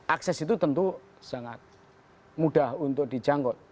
akses itu tentu sangat mudah untuk dijangkau